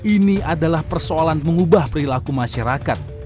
ini adalah persoalan mengubah perilaku masyarakat